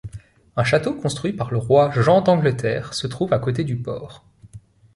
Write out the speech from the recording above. Un château construit par le roi Jean d'Angleterre se trouve à côté du port.